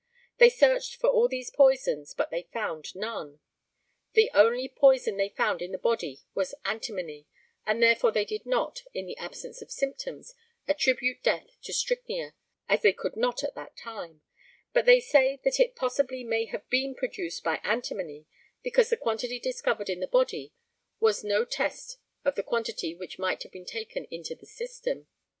They searched for all these poisons, but they found none. The only poison they found in the body was antimony, and therefore they did not, in the absence of symptoms, attribute death to strychnia, as they could not at that time; but they say that it possibly may have been produced by antimony, because the quantity discovered in the body was no test of the quantity which might have been taken into the system.